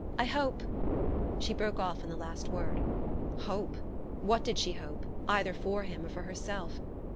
I hope " She broke off on the last word. Hope? What did she hope, either for him or for herself?